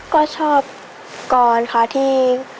ก็ชอบคอลนะคะที่